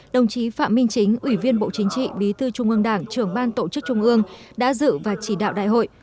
đồng chí phạm minh chính ủy viên bộ chính trị bí thư trung ương đảng trưởng ban tổ chức trung ương đã dự và chỉ đạo đại hội